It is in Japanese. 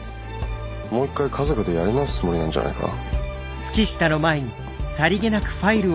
もう一回家族でやり直すつもりなんじゃないか。